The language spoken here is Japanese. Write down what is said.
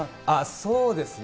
そうですね。